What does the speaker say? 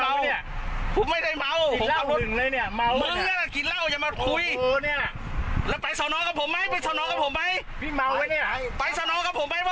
เพราะผมเมาอ่ะไม่พี่เมาไม่จังไม่ไม่เกี่ยวไม่เกี่ยวไม่เกี่ยว